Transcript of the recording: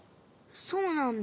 そうなんだ。